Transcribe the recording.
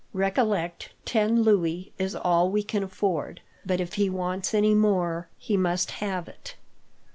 Recollect ten louis is all we can afford, but if he wants any more, he must have it.